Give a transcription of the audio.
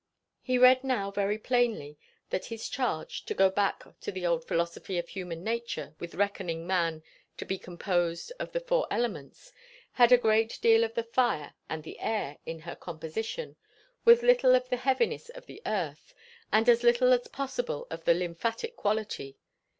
He read now very plainly that his charge, to go back to the old philosophy of human nature which reckoned man to be composed of the four elements, had a great deal of the fire and the air in her composition, with little of the heaviness of the earth, and as little as possible of the lymphatic quality.